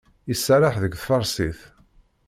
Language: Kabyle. Iserreḥ deg tfarsit.